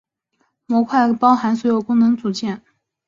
模块包含所有功能组件。